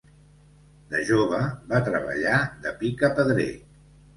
De jove va treballar de picapedrer.